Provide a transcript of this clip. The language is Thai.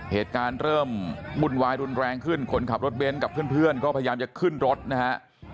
เหตุการณ์เริ่มวุ่นวายรุนแรงขึ้นคนขับรถเบนท์กับเพื่อนก็พยายามจะขึ้นรถนะฮะ